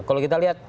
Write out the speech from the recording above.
kalau kita lihat